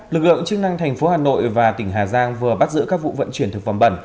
lực lượng chức năng thành phố hà nội và tỉnh hà giang vừa bắt giữ các vụ vận chuyển thực phẩm bẩn